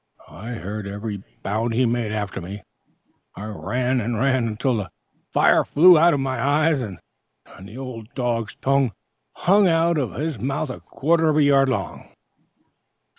I heard every bound he made after me. I ran and ran until the fire flew out of my eyes, and the old dog's tongue hung out of his mouth a quarter of a yard long!"